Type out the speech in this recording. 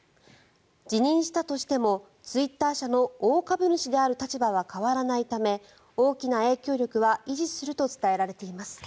辞任したとしてもツイッター社の大株主である立場は変わらないため大きな影響力は維持すると伝えられています。